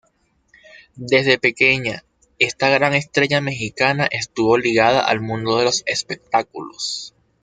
Desde pequeña, esta gran estrella mexicana estuvo ligada al mundo de los espectáculos.